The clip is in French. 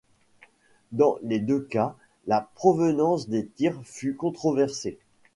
Dans les deux cas, la provenance des tirs fut controversée.